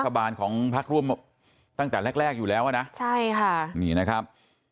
บานของพักร่วมตั้งแต่แรกแรกอยู่แล้วอ่ะนะใช่ค่ะนี่นะครับ